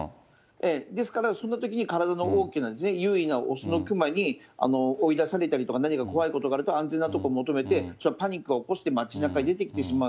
ですから、そのときに体の大きな、優位な雄の熊に追い出されたりとか、何か怖いことがあると、安全な所を求めて、ちょっとパニックを起こして街なかに出てきてしまう。